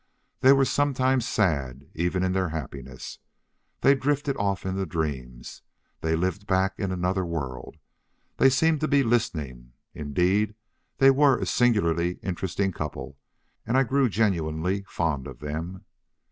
They were sometimes sad even in their happiness. They drifted off into dreams. They lived back in another world. They seemed to be listening. Indeed, they were a singularly interesting couple, and I grew genuinely fond of them.